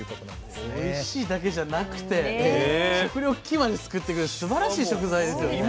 おいしいだけじゃなくて食糧危機まで救ってくれるってすばらしい食材ですよね。